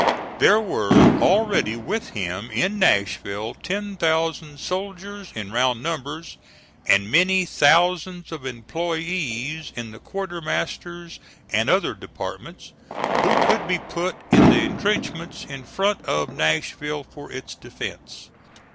There were already with him in Nashville ten thousand soldiers in round numbers, and many thousands of employees in the quartermaster's and other departments who could be put in the intrenchments in front of Nashville, for its defence.